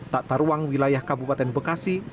tata ruang wilayah kabupaten bekasi